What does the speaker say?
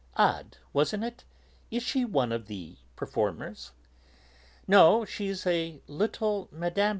"Odd, wasn't it? Is she one of the performers?" "No, she's a little Mme.